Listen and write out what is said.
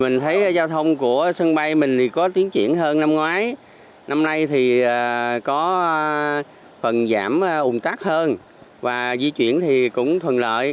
năm nay thì có phần giảm ủn tắc hơn và di chuyển thì cũng thuận lợi